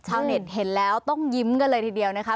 ชาวเน็ตเห็นแล้วต้องยิ้มกันเลยทีเดียวนะคะ